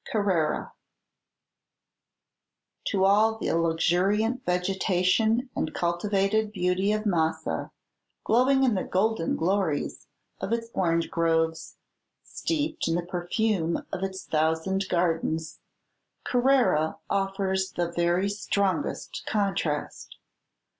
CARRARA To all the luxuriant vegetation and cultivated beauty of Massa, glowing in the "golden glories" of its orange groves, steeped in the perfume of its thousand gardens, Carrara offers the very strongest contrast.